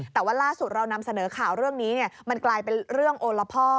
แต่ว่าล่าสุดเรานำเสนอข่าวเรื่องนี้มันกลายเป็นเรื่องโอละพ่อ